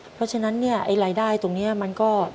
เพราะฉะนั้นไลน์ได้ตรงนี้มันก็